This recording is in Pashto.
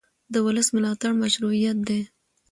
د ولس ملاتړ مشروعیت دی